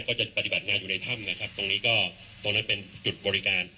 ปฏิบัติงานอยู่ในถ้ำนะครับตรงนี้ก็ตรงนั้นเป็นจุดบริการ